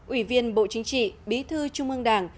ủy viên bộ chính trị bí thư trung ương đảng